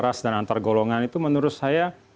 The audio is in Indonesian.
keras dan antar golongan itu menurut saya